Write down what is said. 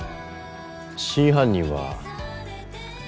真犯人は。